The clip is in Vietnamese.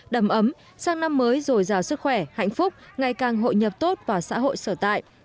đầm ấm sang năm mới rồi giàu sức khỏe hạnh phúc ngày càng hội nhập tốt và xã hội sở tại